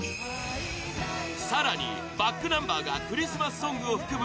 更にｂａｃｋｎｕｍｂｅｒが「クリスマスソング」を含む